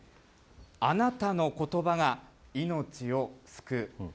あなたのことばが命を救う。